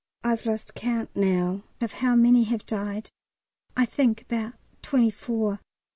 I've lost count now of how many have died, I think about twenty four.